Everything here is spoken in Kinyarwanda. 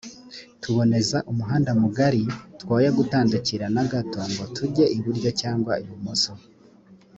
tuzaboneza umuhanda mugari twoye gutandukira na gato ngo tujye iburyo cyangwa ibumoso.